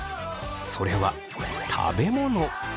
それは食べ物。